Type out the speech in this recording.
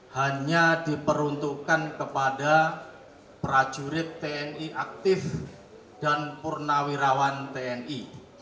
hanya diperuntukkan kepada prajurit tni aktif dan purnawirawan tni